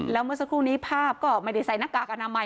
แล้วเมื่อสักครู่นี้ภาพก็ไม่ได้ใส่หน้ากากอนามัย